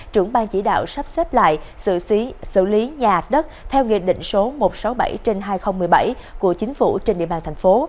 trưởng bang chỉ đạo sắp xếp lại xử xí xử lý nhà đất theo nghị định số một trăm sáu mươi bảy trên hai nghìn một mươi bảy của chính phủ trên địa bàn thành phố